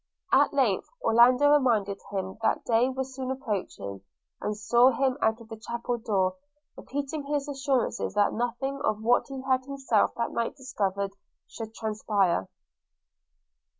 At length Orlando reminded him that day was soon approaching, and saw him out of the chapel door, repeating his assurances that nothing of what he had himself that night discovered should transpire.